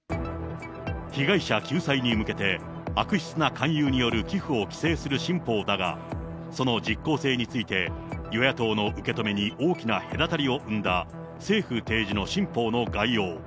被害者救済に向けて、悪質な勧誘による寄付を規制する新法だが、その実効性について、与野党の受け止めに大きな隔たりを生んだ、政府提示の新法の概要。